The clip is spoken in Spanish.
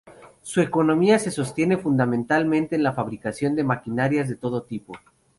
Su economía se sostiene fundamentalmente en la fabricación de maquinarias de todo tipo.